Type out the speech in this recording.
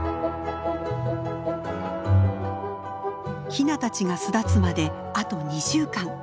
ヒナたちが巣立つまであと２週間。